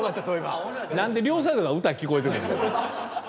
何で両サイドから歌聞こえてくんの。